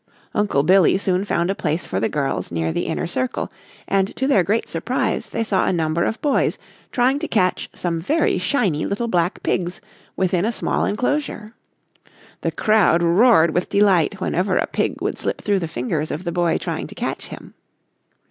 Uncle Billy soon found a place for the girls near the inner circle, and to their great surprise they saw a number of boys trying to catch some very shiny little black pigs within a small enclosure. The crowd roared with delight whenever a pig would slip through the fingers of the boy trying to catch him.